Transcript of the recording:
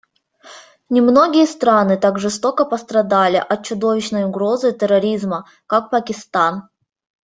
Немногие страны так жестоко пострадали от чудовищной угрозы терроризма, как Пакистан.